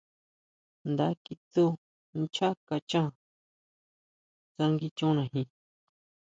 Nda kitsú nchá kaxhan tsánguichonejin.